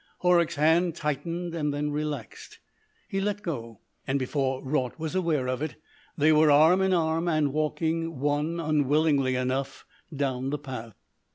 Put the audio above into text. Horrocks's hand tightened and then relaxed. He let go, and before Raut was aware of it, they were arm in arm, and walking, one unwillingly enough, down the path.